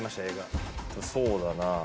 そうだな。